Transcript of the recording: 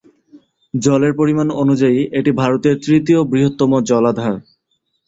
জলের পরিমাণ অনুযায়ী, এটি ভারতের তৃতীয় বৃহত্তম জলাধার।